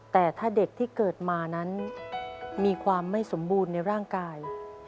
แต่ถ้าเด็กที่เกิดมานั้นมีความไม่สมบูรณ์ในร่างกาย